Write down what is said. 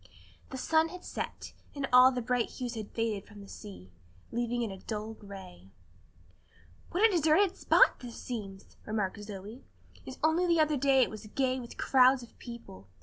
The sun had set, and all the bright hues had faded from the sea, leaving it a dull gray. "What a deserted spot this seems!" remarked Zoe, "and only the other day it was gay with crowds of people.